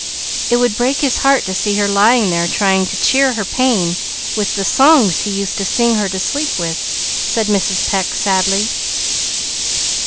It would break his heart to see her lying there trying to cheer her pain with the songs he used to sing her to sleep with," said Mrs. Pecq, sadly.